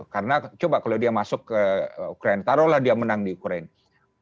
karena coba kalau dia masuk ke ukraina taruh lah dia menang di ukraina